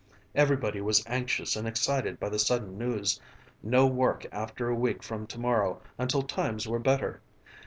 Everybody was anxious and excited by the sudden news. No work after a week from to morrow until times were better.